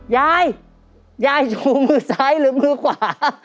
ยายยายชูมือซ้ายหรือมือขวา